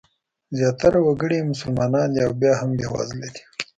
زیاتره وګړي یې مسلمانان دي او بیا هم بېوزله دي.